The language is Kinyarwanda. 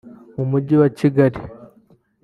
mu Mujyi wa Kigali